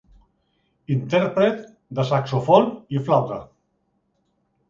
Intèrpret de saxòfon i flauta.